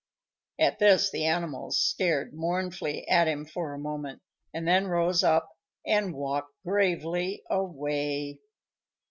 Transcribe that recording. At this the animals stared mournfully at him for a moment, and then rose up and walked gravely away.